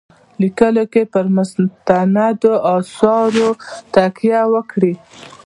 لیکلو کې پر مستندو آثارو تکیه وکړي.